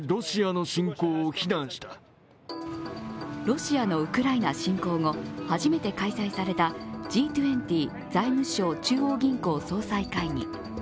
ロシアのウクライナ侵攻後初めて開催されたＧ２０財務相・中央銀行総裁会議。